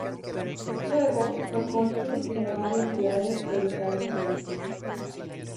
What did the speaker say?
Luego fue cónsul en varias ciudades de Estados Unidos.